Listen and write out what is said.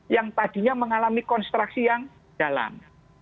yang tadinya mengalami konstruksi yang dalam